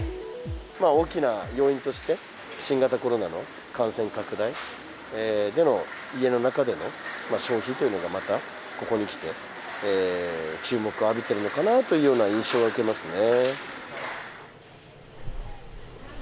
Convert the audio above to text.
大きな要因として、新型コロナの感染拡大での家の中での消費というのが、またここにきて、注目を浴びているのかなというような印象を受けますね。